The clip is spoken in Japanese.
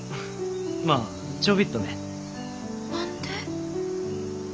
まあちょびっとね。何で？